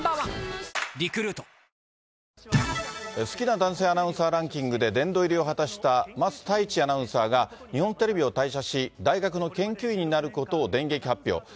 好きな男性アナウンサーランキングで殿堂入りを果たした桝太一アナウンサーが日本テレビを退社し、大学の研究員になることを電撃発表。